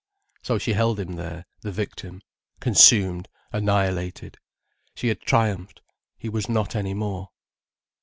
So she held him there, the victim, consumed, annihilated. She had triumphed: he was not any more.